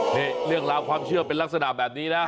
นี่เรื่องราวความเชื่อเป็นลักษณะแบบนี้นะ